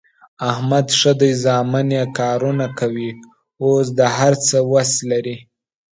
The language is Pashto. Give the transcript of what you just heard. احمد ښه دی زامن یې کارونه کوي، اوس د هر څه وس لري.